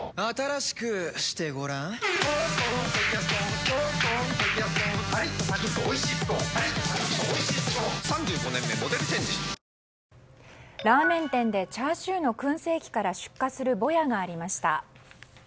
ラーメン店でチャーシューの燻製器から出火するぼやがありました。